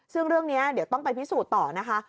ซึ่งเรื่องนี้เดี๋ยวต้องไปพิสูจน์ต่อนะคะ